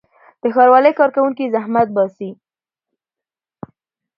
د ښاروالۍ کارکوونکي زحمت باسي.